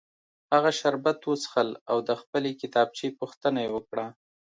هغه شربت وڅښل او د خپلې کتابچې پوښتنه یې وکړه